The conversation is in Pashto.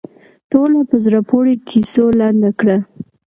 ټوله په زړه پورې کیسو لنډه کړه.